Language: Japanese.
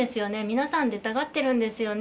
「皆さん出たがってるんですよね」